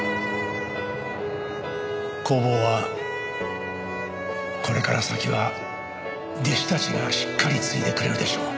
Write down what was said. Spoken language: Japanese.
「工房はこれから先は弟子たちがしっかり継いでくれるでしょう」